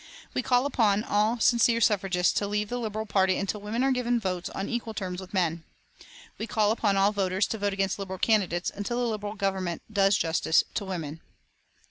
We call upon all sincere suffragists to leave the Liberal party until women are given votes on equal terms with men. We call upon all voters to vote against Liberal candidates until the Liberal Government does justice to women.